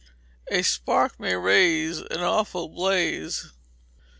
[A SPARK MAY RAISE AN AWFUL BLAZE.